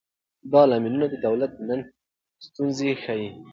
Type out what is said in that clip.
دا لاملونه د دولت دننه ستونزې ښيي.